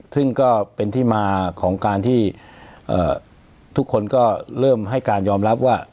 ซึ่งก็เป็นที่มาของการที่ทุกคนก็เริ่มให้การยอมรับว่า